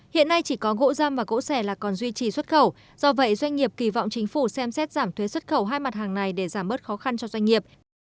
hiện nay chỉ có gỗ dăm và gỗ xẻ là còn duy trì xuất khẩu do vậy doanh nghiệp kỳ vọng chính phủ xem xét giảm thuế xuất khẩu hai mặt hàng này để giảm bớt khó khăn cho doanh nghiệp